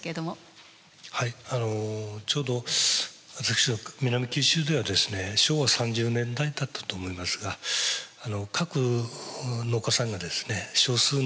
はいちょうど私の南九州では昭和３０年代だったと思いますが各農家さんがですね少数の牛豚飼ってですね